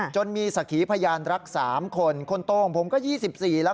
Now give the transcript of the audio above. จนมีสักขีพยานรัก๓คนคนโตของผมก็๒๔แล้ว